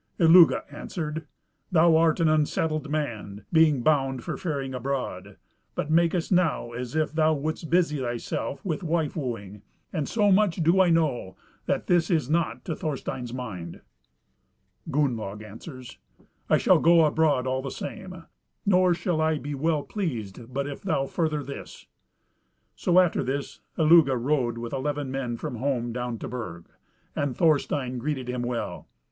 Illugi answered, "Thou art an unsettled man, being bound for faring abroad, but makest now as if thou wouldst busy thyself with wife wooing; and so much do I know, that this is not to Thorstein's mind." Gunnlaug answers, "I shall go abroad all the same, nor shall I be well pleased but if thou further this." So after this Illugi rode with eleven men from home down to Burg, and Thorstein greeted him well.